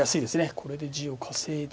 これで地を稼いで。